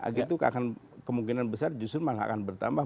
lagi itu akan kemungkinan besar justru malah akan bertambah